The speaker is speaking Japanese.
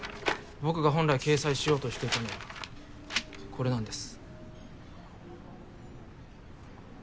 僕が本来掲載しようとしていたのはこれなんです。